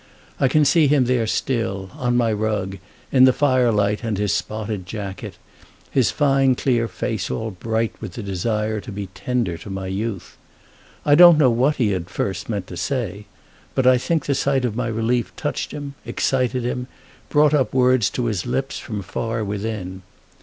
I can see him there still, on my rug, in the firelight and his spotted jacket, his fine clear face all bright with the desire to be tender to my youth. I don't know what he had at first meant to say, but I think the sight of my relief touched him, excited him, brought up words to his lips from far within.